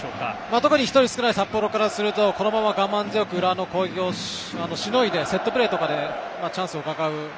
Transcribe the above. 特に１人少ない札幌からするとこれからも我慢強く浦和の攻撃をしのいでセットプレーとかでチャンスをうかがう。